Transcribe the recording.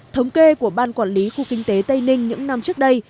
thống kê của ban quản lý khu kinh tế tây ninh những năm trước đây